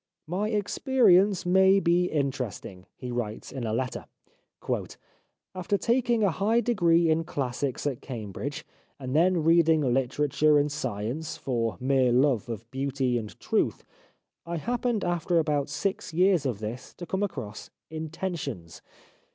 " My experience may be interesting," he writes in a letter. " After taking a high degree in Classics at Cambridge, and then reading hterature and science, for mere love of beauty and truth, I happened after about six years of this, to come across ' Intentions.'